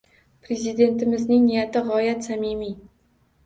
Prezidentimizning niyati gʻoyat samimiy.